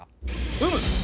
うむ！